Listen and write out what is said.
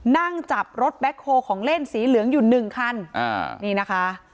นั่งจับรถแบ็คโฮลของเล่นสีเหลืองอยู่หนึ่งคันอ่านี่นะคะ